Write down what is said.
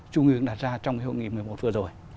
trung ương đã ra trong cái hội nghị một mươi một vừa rồi